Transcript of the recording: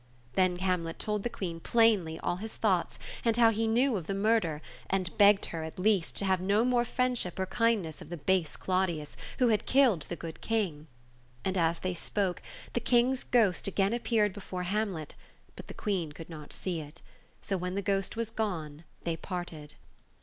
Then Hamlet told the Queen plainly all his thoughts, and how he knew of the murder, and begged her, at least, to have no more friendship or kindness of the base Claudius who had killed the good King. And as they spoke the King's ghost again appeared before Hamlet, but the Queen could not see it. So when the ghost was gone, they parted.